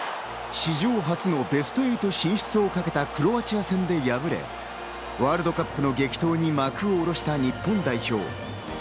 史上初のベスト８進出をかけたクロアチア戦で敗れ、ワールドカップの激闘に幕を下ろした日本代表。